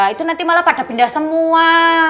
itu nanti malah pada pindah semua